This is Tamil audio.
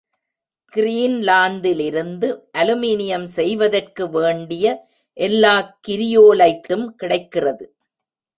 கிரீன்லாந்திலிருந்து அலுமினியம் செய் வதற்கு வேண்டிய எல்லாக் கிரியோலைட்டும் கிடைக்கிறது.